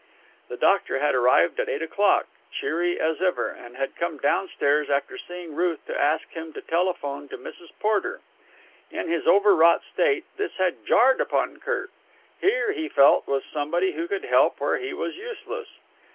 The doctor had arrived at eight o'clock, cheery as ever, and had come downstairs after seeing Ruth to ask him to telephone to Mrs. Porter. In his overwrought state, this had jarred upon Kirk. Here, he felt, was somebody who could help where he was useless.